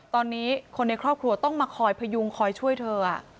ตอนนี้คนในครอบครัวต้องมาคอยพยุงคอยช่วยเธอ